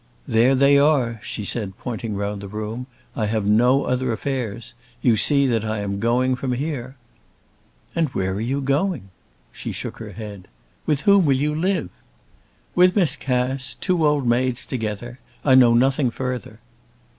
"There they are," she said, pointing round the room. "I have no other affairs. You see that I am going from here." "And where are you going?" She shook her head. "With whom will you live?" "With Miss Cass, two old maids together! I know nothing further."